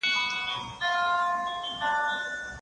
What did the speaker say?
موږ د علت او معلول اړيکي لټوو.